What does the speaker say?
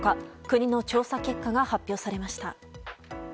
国の調査結果が発表されました。